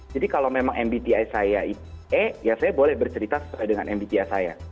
jadi kalau memang mbti saya e ya saya boleh bercerita sesuai dengan mbti saya